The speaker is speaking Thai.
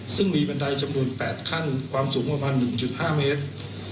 ซึ่งมีบันไดจำนวน๘ขั้นความสูงประมาณ๑๕เมตร